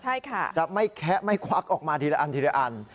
ใช่ค่ะจะไม่แคะไม่ควักออกมาทีละอันทีละอัน